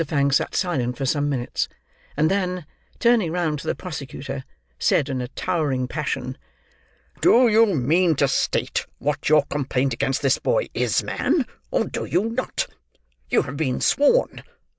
Fang sat silent for some minutes, and then, turning round to the prosecutor, said in a towering passion. "Do you mean to state what your complaint against this boy is, man, or do you not? You have been sworn.